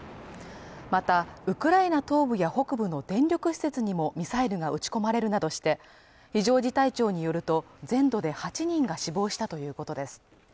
またウクライナ東部や北部の電力施設にもミサイルが撃ち込まれるなどして非常事態庁によると全土で８人が死亡したということです